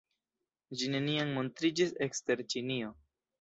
Ĝi neniam montriĝis ekster Ĉinio.